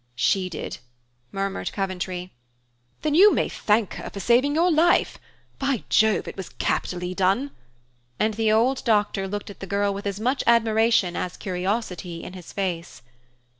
"She did," murmured Coventry. "Then you may thank her for saving your life. By Jove! It was capitally done"; and the old doctor looked at the girl with as much admiration as curiosity in his face.